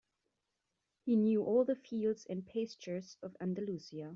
He knew all the fields and pastures of Andalusia.